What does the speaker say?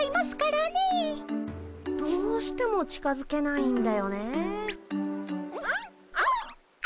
どうしても近づけないんだよねえ。